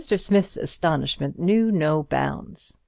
Smith's astonishment knew no bounds.